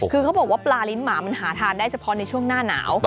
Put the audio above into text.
คือเขาบอกว่าปลาลิ้นหมามันหาทานได้เฉพาะในช่วงหน้าหนาว